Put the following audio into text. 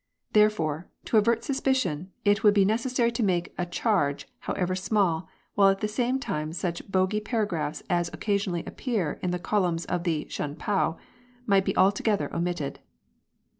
There fore, to avert suspicion, it would be necessary to make a charge, however small, while at the same time such bogy paragraphs as occasionally appear in the columns of the Shun pao might be altogether omitted.